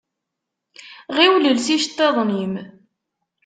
Ɣiwel els iceṭṭiḍen-im.